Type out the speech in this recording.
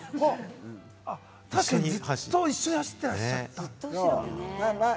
確かにずっと一緒に走ってらっしゃった。